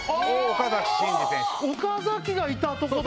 岡崎がいたとこだ！